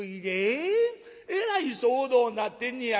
えらい騒動になってんねや。